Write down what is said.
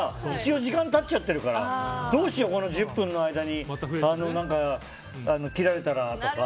時間が経っちゃっているからどうしよう、この１０分の間に切られたらとか。